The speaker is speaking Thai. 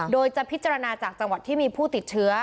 โดยจะพิจารณาจากจังหวัดที่มีผู้ติดเชื้อ